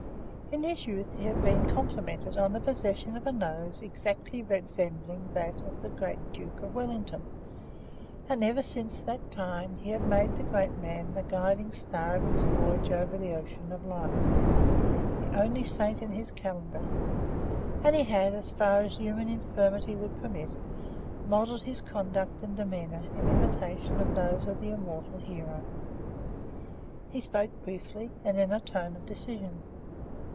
In his youth he had been complimented on the possession of a nose exactly resembling that of the great Duke of Wellington, and ever since that time he had made the great man the guiding star of his voyage over the ocean of life, the only saint in his calendar; and he had, as far as human infirmity would permit, modelled his conduct and demeanour in imitation of those of the immortal hero. He spoke briefly, and in a tone of decision.